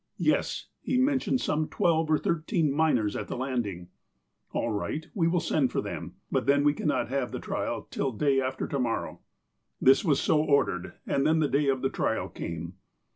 "Yes." He mentioned some twelve or thirteen miners at the landing. "All right. We will send for them, but then we cannot have the trial till the day after to morrow." This was so ordered, and then the day of the trial came.